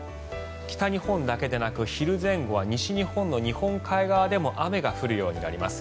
北日本だけでなく昼前後は西日本の日本海側でも雨が降るようになります。